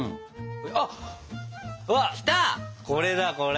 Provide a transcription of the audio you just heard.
あこれだこれ！